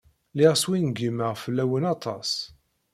Lliɣ swingimeɣ fell-awen aṭas.